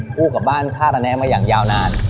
คู่กับบ้านท่าระแนะมาอย่างยาวนาน